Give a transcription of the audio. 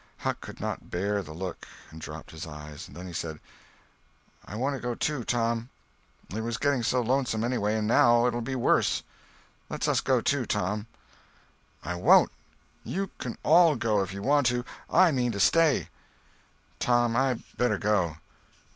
Huck could not bear the look, and dropped his eyes. Then he said: "I want to go, too, Tom. It was getting so lonesome anyway, and now it'll be worse. Let's us go, too, Tom." "I won't! You can all go, if you want to. I mean to stay." "Tom, I better go."